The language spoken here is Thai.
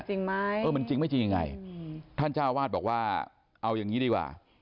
จริงไหมเออมันจริงไม่จริงยังไงท่านเจ้าวาดบอกว่าเอาอย่างนี้ดีกว่า